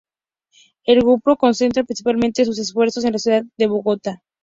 El grupo concentra principalmente sus esfuerzos en la ciudad de Bogotá.